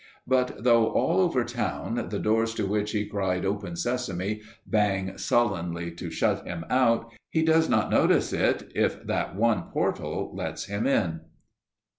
But though all over town the doors to which he cried "open sesame" bang sullenly to shut him out, he does not notice it if that one portal lets him in!